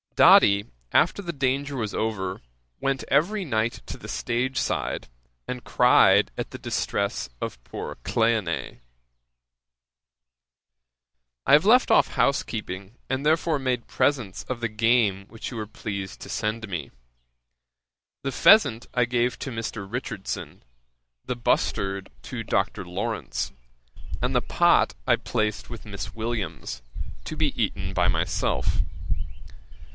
Doddy, after the danger was over, went every night to the stage side, and cried at the distress of poor Cleone. [Page 326: Reynolds's prices for portraits. A.D. 1758.] 'I have left off housekeeping, and therefore made presents of the game which you were pleased to send me. The pheasant I gave to Mr. Richardson, the bustard to Dr. Lawrence, and the pot I placed with Miss Williams, to be eaten by myself.